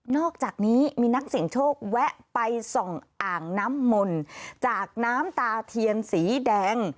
อกจากนี้มีนักเสี่ยงโชคแวะไปส่องอ่างน้ำมนต์จากน้ำตาเทียนสีแดง